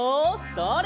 それ！